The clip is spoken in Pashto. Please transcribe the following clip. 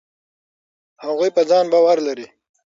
هغوی په ځان باور لري.